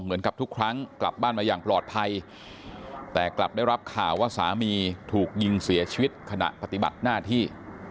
เหมือนกับทุกครั้งกลับบ้านมาอย่างปลอดภัยแต่กลับได้รับข่าวว่าสามีถูกยิงเสียชีวิตขณะปฏิบัติหน้าที่